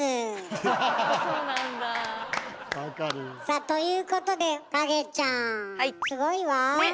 さあということで影ちゃんすごいわ。ね！